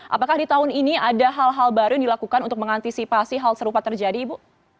apakah di tahun ini ada hal hal baru yang dilakukan untuk mengantisipasi hal serupa terjadi ibu